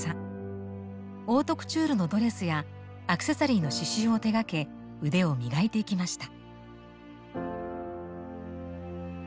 オートクチュールのドレスやアクセサリーの刺しゅうを手がけ腕を磨いていきました。